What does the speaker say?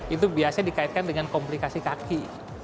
itu biasanya dikaitkan dengan komplikasi kaki